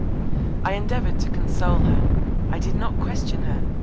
I endeavoured to console her; I did not question her!